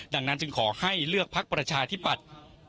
ดังนั้นจึงขอให้เลือกพักประชาธิปัตย์